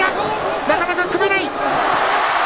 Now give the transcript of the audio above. なかなか組めない。